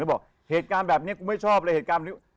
แล้วบอกเหตุการณ์แบบนี้กูไม่ชอบเลย